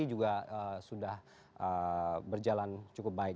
juga sudah berjalan cukup baik